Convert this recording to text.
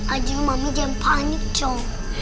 aduh mami jangan panik jom